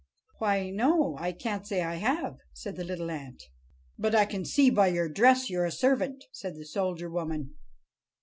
"Why, no, I can't say I have," said the little ant. "But I can see by your dress you're a servant," said the soldier woman.